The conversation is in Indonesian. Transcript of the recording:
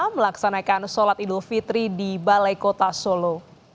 melaksanakan sholat idul fitri di balai kota solo